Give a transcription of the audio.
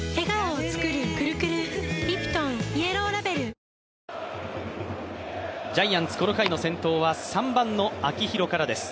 三井でみつけてジャイアンツ、この回の先頭は３番の秋広からです。